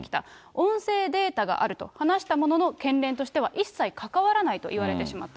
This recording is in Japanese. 音声データがあると話したものの、県連としては一切関わらないと言われてしまった。